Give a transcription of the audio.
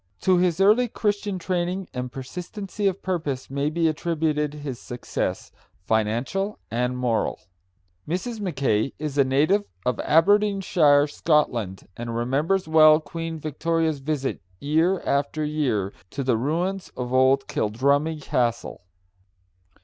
To his early Christian training and persistency of purpose may be attributed his success, financial and moral. Mrs. Mackay is a native of Aberdeenshire, Scotland, and remembers well Queen Victoria's visit year after year to the ruins of old Kildrummie Castle.